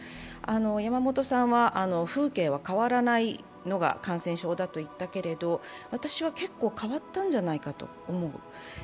山本さんは、風景が変わらないのが感染症だと言ったけれども、私は結構変わったんじゃないかと思う。